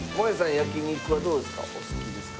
焼肉はどうですか？